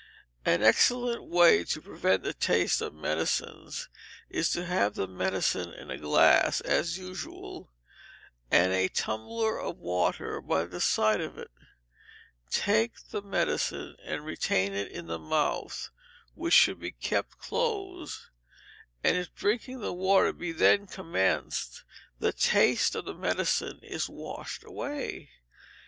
An Excellent Way to Prevent the Taste of Medicines is to have the medicine in a glass, as usual, and a tumbler of water by the side of it; take the medicine, and retain it in the mouth, which should be kept closed, and if drinking the water be then commenced, the taste of the medicine is washed away.